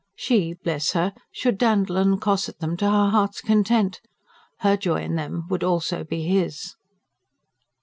She, bless her, should dandle and cosset them to her heart's content. Her joy in them would also be his.